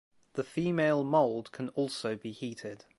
The female mold can also be heated.